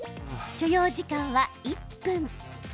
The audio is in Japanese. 所要時間は１分。